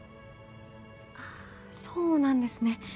あっそうなんですね。